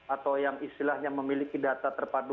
atau yang istilahnya memiliki data terpadu